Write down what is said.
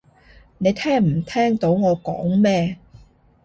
你聽唔聽到我講咩？